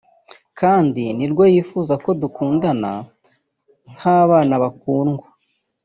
kandi ni rwo yifuza ko dukundana nk’abana bakundwa